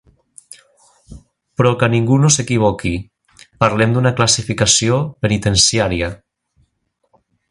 Però que ningú no s’equivoqui: parlem d’una classificació penitenciària.